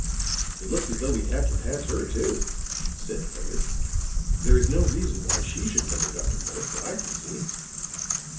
"It looks as though we'd have to pass her, too," said Fuller. "There is no reason why she should murder Dr. Morse that I can see."